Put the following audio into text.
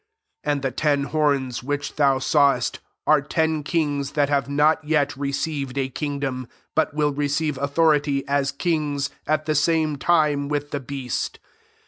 12 And the ten horns, which thou sawest, are ten kings that have not yet received a kingdom; but vnil receive authority, as kings, at the same time with the beast.